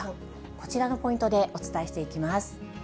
こちらのポイントでお伝えしていきます。